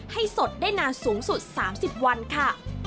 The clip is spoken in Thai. สดได้นานสูงสุด๓๐วันค่ะ